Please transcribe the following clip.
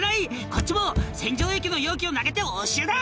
こっちも洗浄液の容器を投げて応酬だ］